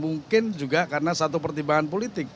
mungkin juga karena satu pertimbangan politik